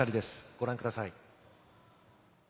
ご覧ください。